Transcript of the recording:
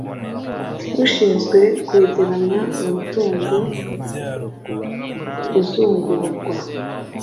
ushinzwe kwegeranya umutungo uzungurwa